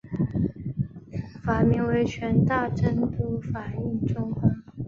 法名为权大僧都法印宗方。